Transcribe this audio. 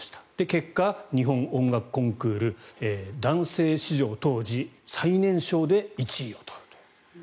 結果、日本音楽コンクール男性史上、当時最年少で１位を取るという。